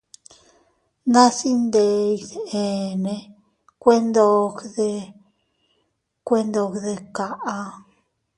Nas iyndes eʼenne, kuendogde kuendogde kaʼa.